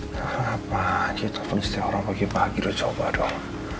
telepon apaan sih telepon setiap orang pagi pagi deh coba dong